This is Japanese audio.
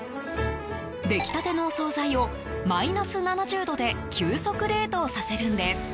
出来たてのお総菜をマイナス７０度で急速冷凍させるんです。